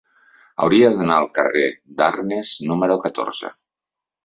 Hauria d'anar al carrer d'Arnes número catorze.